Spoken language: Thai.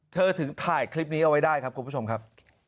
เธอถึงถ่ายคลิปนี้เอาไว้ได้ครับคุณผู้ชมครับ